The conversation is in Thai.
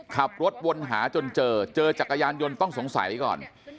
ขับรถวนหาจนเจอเจอจักรยานยนต์ต้องสงสัยก่อน